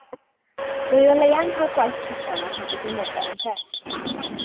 Rwy o leia yn cael gwaith cyson ar hyd y blynydde ynte.